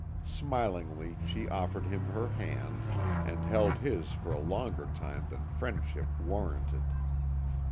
Smilingly she offered him her hand, and held his for a longer time than friendship warranted.